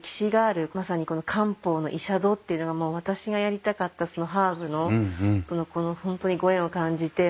まさにこの漢方の医者殿っていうのが私がやりたかったハーブとの本当にご縁を感じて。